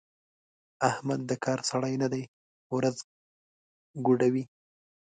احمد د کار سړی نه دی؛ ورځ ګوډوي.